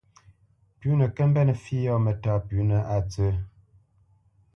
Pʉ̌nə kə́ mbénə̄ fǐ yɔ̂ mətá pʉ́nə a ntsə̂.